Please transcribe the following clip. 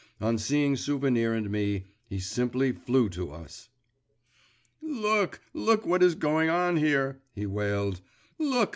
… On seeing Souvenir and me he simply flew to us. 'Look, look, what is going on here!' he wailed 'look!